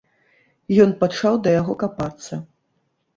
Ён пачаў да яго капацца.